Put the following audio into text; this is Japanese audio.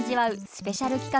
スペシャル企画